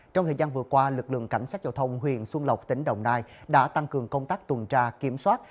trong thời gian vừa qua lực lượng cảnh sát giao thông huyện xuân lộc tỉnh đồng nai đã tăng cường công tác tuần tra kiểm soát